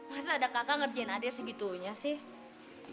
pasti ada kakak ngerjain adir segitunya sih